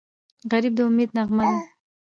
غریب د امید نغمه ده